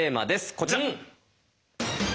こちら！